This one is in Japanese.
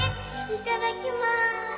いただきます。